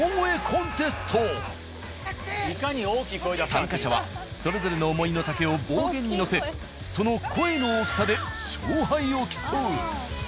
参加者はそれぞれの思いの丈を暴言に乗せその声の大きさで勝敗を競う。